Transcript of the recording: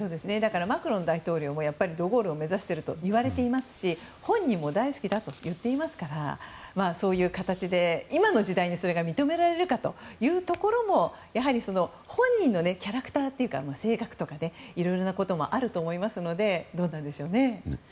マクロン大統領もド・ゴールを目指しているといわれていますし本人も大好きだと言っていますからそういう形で、今の時代にそれが認められるかというところもやはり本人のキャラクターというか性格とかいろいろなこともあると思いますのでどうなるんでしょうね。